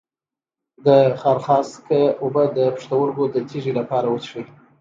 د خارخاسک اوبه د پښتورګو د تیږې لپاره وڅښئ